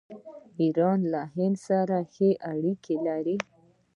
ایران له هند سره ښه اړیکې لري.